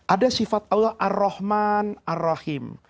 ada sifat allah ar rahman ar rahim